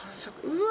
うわ。